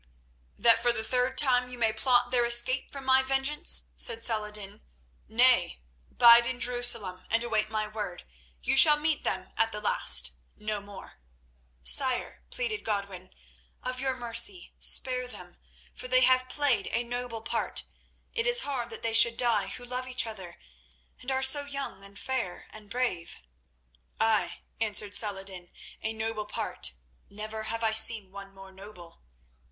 "That for the third time you may plot their escape from my vengeance?" said Saladin. "Nay, bide in Jerusalem and await my word; you shall meet them at the last, no more." "Sire," pleaded Godwin, "of your mercy spare them, for they have played a noble part. It is hard that they should die who love each other and are so young and fair and brave." "Ay," answered Saladin, "a noble part; never have I seen one more noble.